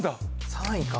⁉３位か。